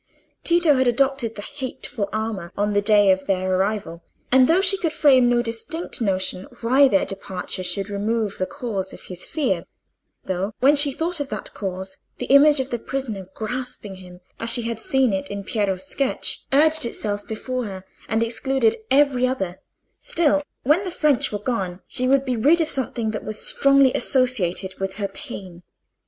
Tito had adopted the hateful armour on the day of their arrival, and though she could frame no distinct notion why their departure should remove the cause of his fear—though, when she thought of that cause, the image of the prisoner grasping him, as she had seen it in Piero's sketch, urged itself before her and excluded every other—still, when the French were gone, she would be rid of something that was strongly associated with her pain.